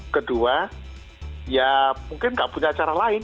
kedua ya mungkin nggak punya cara lain